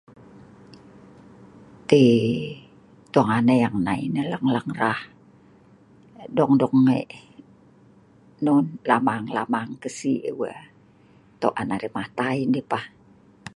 T'tong aneng nai nah lang-lang rah dung-dung lamang tau an arai matai deh pah.